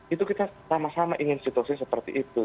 itu kita sama sama ingin situasi seperti itu